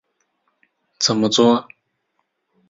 怎么作？